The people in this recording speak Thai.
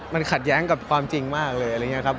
มันขัดแย้งกับความจริงมากเลยอะไรอย่างนี้ครับ